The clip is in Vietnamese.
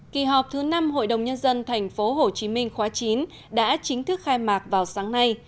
kỳ họp thứ năm hội đồng nhân dân tp hcm khóa chín đã chính thức khai mạc vào sáng nay